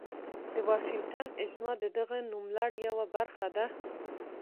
د واشنګټن اجماع د دغه نوملړ یوه برخه ده.